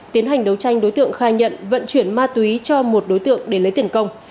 tiến hành đấu tranh đối tượng khai nhận vận chuyển ma túy cho một đối tượng để lấy tiền công